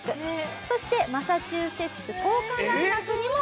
そしてマサチューセッツ工科大学にも合格。